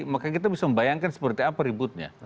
maka kita bisa membayangkan seperti apa ributnya